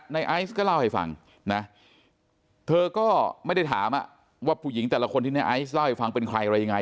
ไอซ์ก็เล่าให้ฟังนะเธอก็ไม่ได้ถามว่าผู้หญิงแต่ละคนที่ในไอซ์เล่าให้ฟังเป็นใครอะไรยังไง